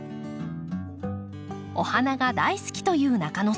お花が大好きという中野さん。